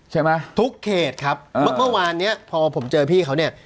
ใช่ไหมทุกเขตครับเมื่อเมื่อวานเนี้ยพอผมเจอพี่เขาเนี่ย